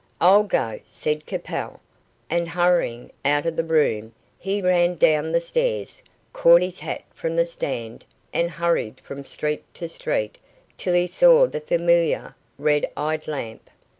"I'll go," said Capel, and hurrying out of the room, he ran down the stairs, caught his hat from the stand, and hurried from street to street till he saw the familiar red eyed lamp.